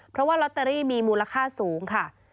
เพราะว่าลอตเตอรี่มีมูลค่าสูงค่ะ